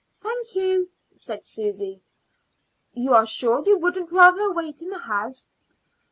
"Thank you," said Susy. "You are sure you wouldn't rather wait in the house?"